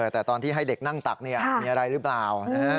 แต่ตอนที่ให้เด็กนั่งตักมีอะไรหรือเปล่า